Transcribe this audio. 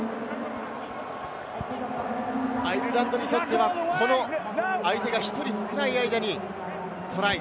アイルランドにとってはこの相手が１人少ない間にトライ、